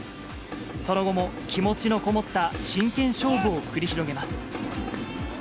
その後も気持ちの込もった真剣勝負を繰り広げます。